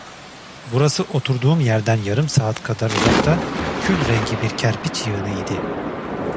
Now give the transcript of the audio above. Burası oturduğum yerden yarım saat kadar uzakta, külrengi bir kerpiç yığını idi.